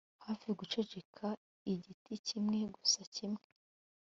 hafi guceceka igiti kimwe gusa kimwe